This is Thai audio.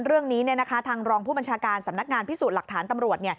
เรื่องนี้ทางรองผู้บัญชาการสำนักงานพิสูจน์หลักฐานตำรวจ